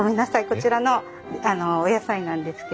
こちらのお野菜なんですけど。